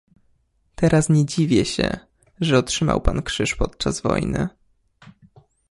"Teraz nie dziwię się, że otrzymał pan krzyż podczas wojny."